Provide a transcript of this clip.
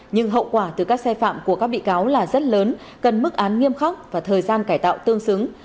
nhưng hậu quả từ các xe phạm của các bị cáo là rất lớn cần mức án nghiêm khắc và thời gian cải tạo tương xứng